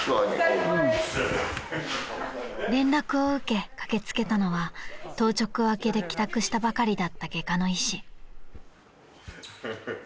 ［連絡を受け駆け付けたのは当直明けで帰宅したばかりだった外科の医師］